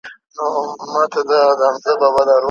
یا تسلیم سول یا په منډه تښتېدله